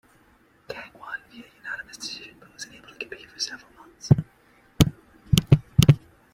Kang won via unanimous decision but was unable to compete for several months.